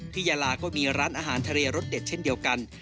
ยาลาก็มีร้านอาหารทะเลรสเด็ดเช่นเดียวกัน